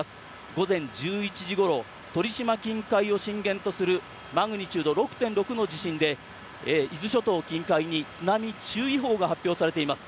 午前１１時ごろ鳥島近海を震源とするマグニチュード６．６の地震で伊豆諸島近海に津波注意報が発表されています。